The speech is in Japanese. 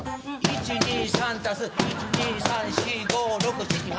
１２３足す１２３４５６７８！